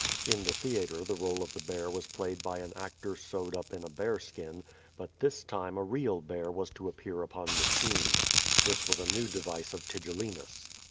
In the theatre the role of the bear was played by an actor sewed up in a bearskin, but this time a real bear was to appear upon the scene. This was a new device of Tigellinus.